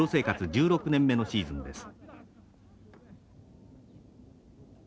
１６年目のシーズンです。